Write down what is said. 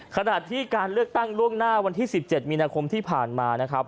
ขณะที่การเลือกตั้งล่วงหน้าวันที่๑๗มีนาคมที่ผ่านมานะครับ